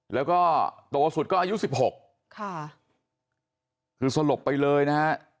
แล้วก็โตสุดก็อายุ๑๖ค่ะคือสลบไปเลยนะฮะ